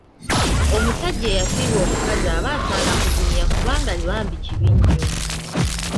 Omusajja eyafiirwa omukazi aba asaana kugumya kubanga bambi kibi nnyo.